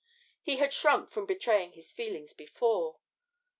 He had shrunk from betraying his feelings before.